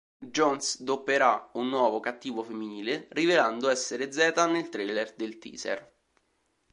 Jones dopperà un nuovo cattivo femminile, rivelando essere Zeta nel trailer del teaser.